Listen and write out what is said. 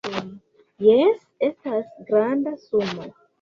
Jes, estas granda sumo